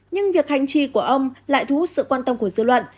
nhưng việc hành trì của ông lại thú sự quan tâm của dư luận